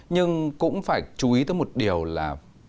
nhưng cũng phải chú ý tới một điều là